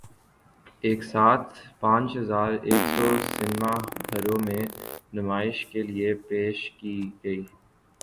ایک ساتھ پانچ ہزار ایک سو سینما گھروں میں نمائش کے لیے پیش کی گئی